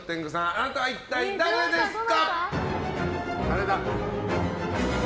あなたは一体誰ですか？